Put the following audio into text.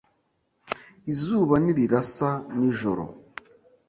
Izuba ntirirasa nijoro.